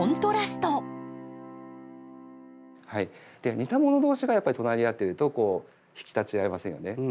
似たもの同士がやっぱり隣り合ってると引き立ち合いませんよね。